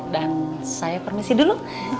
dan saya permisi dulu